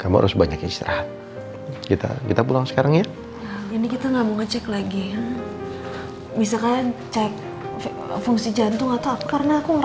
hai jer intellis bujurnya kita kita pulang sekarang ya gini kita tidak mau psychological hai fungsinya atau kenapa k choruscharger